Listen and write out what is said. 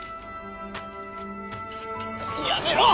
やめろ！